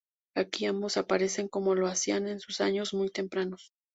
Aquí ambos aparecen como lo hacían en sus años muy tempranos.